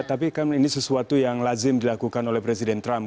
tapi kan ini sesuatu yang lazim dilakukan oleh presiden trump